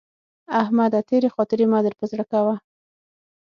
احمده! تېرې خاطرې مه در پر زړه کوه.